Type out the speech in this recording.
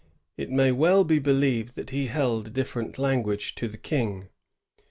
It may well be believed that be held a different language to the King.